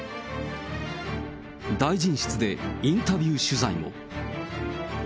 大臣室でインタビュー取材も。